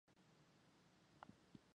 مختلف شکلوں میں موجود ہے۔ اس نظام کے تحت